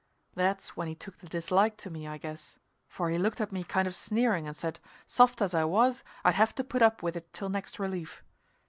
That's when he took the dislike to me, I guess, for he looked at me kind of sneering and said, soft as I was, I'd have to put up with it till next relief.